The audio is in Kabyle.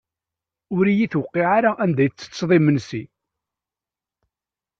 Ur yi-tewqiε ara anda tettetteḍ imensi.